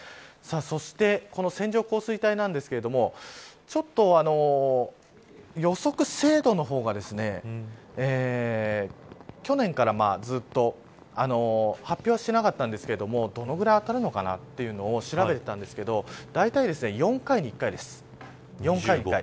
そして線状降水帯なんですけどちょっと予測精度の方が去年からずっと発表はしてなかったんですけれどもどのぐらい当たるのかなというのを調べてたんですけどだいたい、４回に１回です。